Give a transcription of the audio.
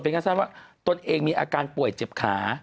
เป็นการทำว่าตนเองมีอาการป่วยเจ็บขา